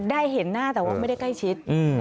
ได้เห็นหน้าแต่ว่าไม่ได้ใกล้ชิด